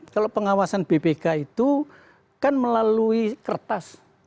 kalau pengawasan bpk itu kan melalui kertas